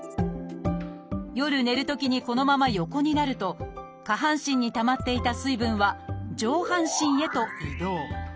夜寝るときにこのまま横になると下半身にたまっていた水分は上半身へと移動。